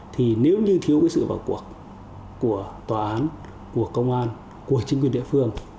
thì nếu như thiếu sự vào cuộc của tòa án của công an của chính quyền địa phương